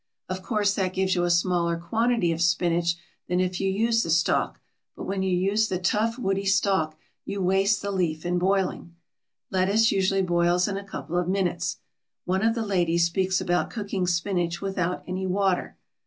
Of course, that gives you a smaller quantity of spinach than if you use the stalk, but when you use the tough, woody stalk you waste the leaf in boiling. Lettuce usually boils in a couple of minutes. One of the ladies speaks about cooking spinach without any water.